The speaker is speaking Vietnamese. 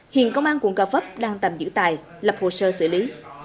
hiện công an quận gò vấp đang tạm giữ tài lập hồ sơ xử lý